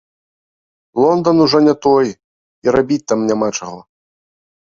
Лондан ужо не той, і рабіць там няма чаго.